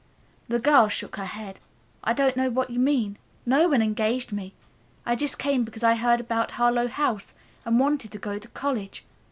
The girl shook her head. "I don't know what you mean. No one engaged me. I just came because I heard about Harlowe House and wanted to go to college.